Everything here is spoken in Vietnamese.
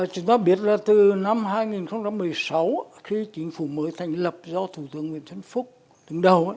chúng ta biết là từ năm hai nghìn một mươi sáu khi chính phủ mới thành lập do thủ tướng nguyễn trấn phúc đứng đầu